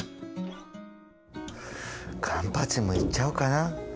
カンパチもいっちゃおうかな。